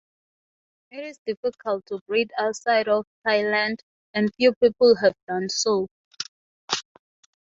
It is difficult to breed outside of Thailand, and few people have done so.